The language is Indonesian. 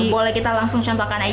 boleh kita langsung contohkan